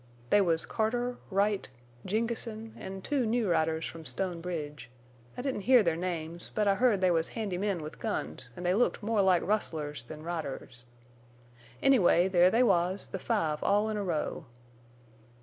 They was Carter, Wright, Jengessen, an' two new riders from Stone Bridge. I didn't hear their names, but I heard they was handy men with guns an' they looked more like rustlers than riders. Anyway, there they was, the five all in a row.